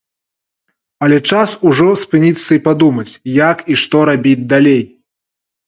Але час ужо спыніцца і падумаць, як і што рабіць далей.